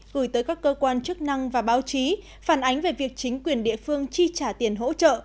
gửi tới các cơ quan chức năng và báo chí phản ánh về việc chính quyền địa phương chi trả tiền hỗ trợ